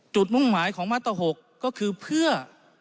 มุ่งหมายของมาตร๖ก็คือเพื่อ